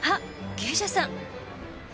芸者さん！